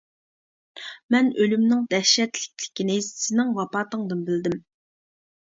مەن ئۆلۈمنىڭ دەھشەتلىكلىكىنى سېنىڭ ۋاپاتىڭدىن بىلدىم.